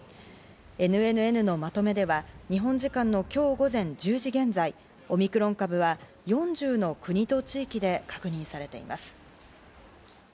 ＮＮＮのまとめでは、日本時間の今日午前１０時現在、オミクロン株は４０の国と地域で確認されています。